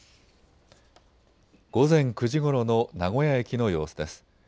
午前９時ごろの名古屋駅の様子です。